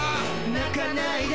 泣かないで